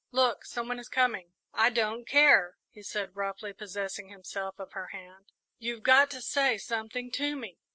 "Look, some one is coming!" "I don't care," he said, roughly, possessing himself of her hand; "you've got to say something to me!"